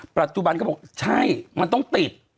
ปัจจุบันเขาบอกใช่มันต้องติด